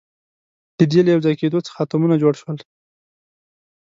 د دې له یوځای کېدو څخه اتمونه جوړ شول.